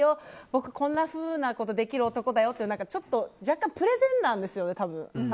僕、こんなふうなことができる男だよって若干、プレゼンなんですよね。